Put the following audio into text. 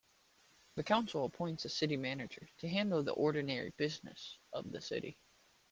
The council appoints a city manager to handle the ordinary business of the city.